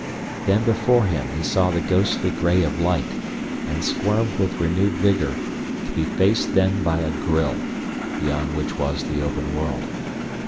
Then before him he saw the ghostly gray of light and squirmed with renewed vigor to be faced then by a grille, beyond which was the open world.